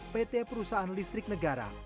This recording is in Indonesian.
pt perusahaan listrik negara